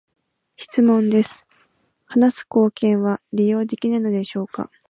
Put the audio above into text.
質問です、話す貢献は利用できないのでしょうか？